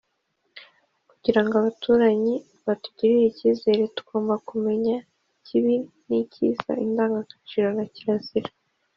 kugira ngo abaturanyi batugirire ikizere tugomba kumenya ikibi n’ikiza, indangagaciro na kirazira,